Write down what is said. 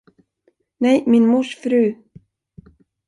Nej, min mors fru.